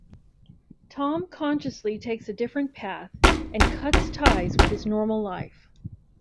Tom consciously takes a different path and cuts ties with his normal life.